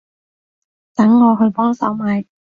等我去幫手買